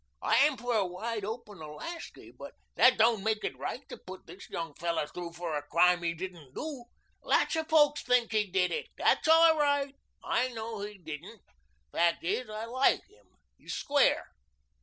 "I'm for a wide open Alaska, but that don't make it right to put this young fellow through for a crime he didn't do. Lots of folks think he did it. That's all right. I know he didn't. Fact is, I like him. He's square.